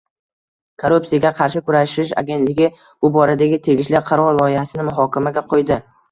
Korrupsiyaga qarshi kurashish agentligi bu boradagi tegishli qaror loyihasini muhokamaga qo‘ydi